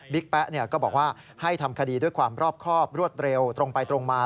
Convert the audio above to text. แป๊ะก็บอกว่าให้ทำคดีด้วยความรอบครอบรวดเร็วตรงไปตรงมา